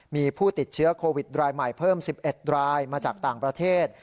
มีผู้ติดเชื้อโควิดรายใหม่เพิ่ม๑๑รายมาจากต่างประเทศ